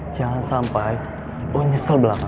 jangan sampai lo nyesel belakangan